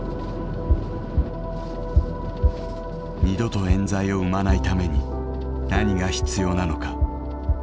二度とえん罪を生まないために何が必要なのか。